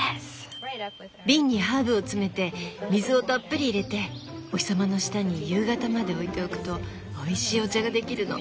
瓶にハーブを詰めて水をたっぷり入れてお日様の下に夕方まで置いておくとおいしいお茶が出来るの。